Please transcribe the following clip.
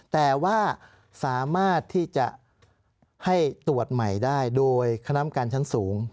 แต่ว่าสามารถที่จะให้ตรวจใหม่ได้โดยคณะกรรมการชั้นสูง